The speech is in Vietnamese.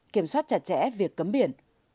kiểm soát chặt chẽ việc cấm biển